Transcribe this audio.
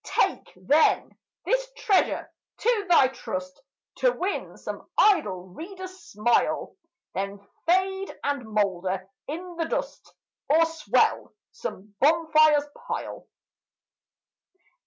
Take, then, this treasure to thy trust, To win some idle reader's smile, Then fade and moulder in the dust, Or swell some bonfire's pile.